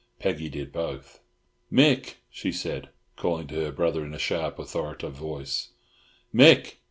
Peggy did both. "Mick!" she said, calling to her brother in a sharp, authoritative voice: "Mick!